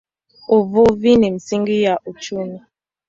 Uvuvi ni msingi wa uchumi.